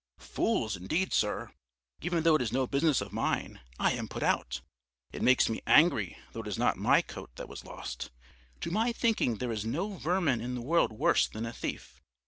"Fools, indeed, sir! Even though it is no business of mine, I am put out. It makes me angry though it is not my coat that was lost. To my thinking there is no vermin in the world worse than a thief.